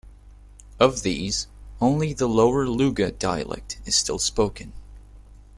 Of these, only the Lower Luga dialect is still spoken.